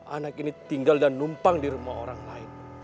anak ini tinggal dan numpang di rumah orang lain